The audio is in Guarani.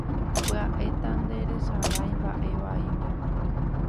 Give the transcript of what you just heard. Pya'e tanderesarái mba'e vaígui.